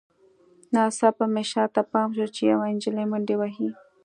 ناڅاپه مې شاته پام شو چې یوه نجلۍ منډې وهي